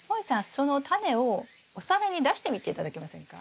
そのタネをお皿に出してみて頂けませんか？